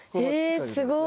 えすごい。